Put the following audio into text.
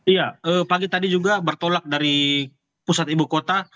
iya pagi tadi juga bertolak dari pusat ibu kota